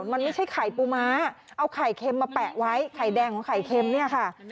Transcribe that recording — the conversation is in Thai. มันไม่ใช่ไข่ปูม้าเอาไข่เค็มมาแปะไว้ไข่แดงของไข่เค็มเนี่ยค่ะ